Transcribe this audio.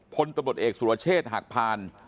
พลตำรวจเอกสุรเชษฐ์หักพาน